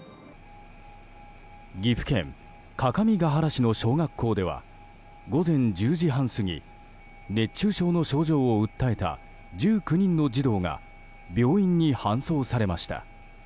岐阜県各務原市の小学校では午前１０時半過ぎ熱中症の症状を訴えた１９人の児童が病院に搬送されました。